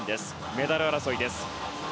メダル争いです。